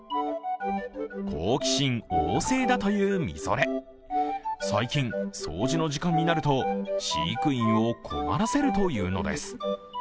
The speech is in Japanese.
好奇心旺盛だというミゾレ、最近、掃除の時間になると、飼育員を困らせるというのです。